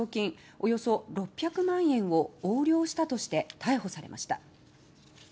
およそ６００万円を横領したとして逮捕されました。